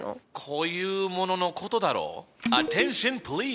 こういうもののことだろ。